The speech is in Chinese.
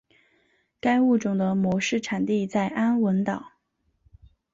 该物种的模式产地在安汶岛。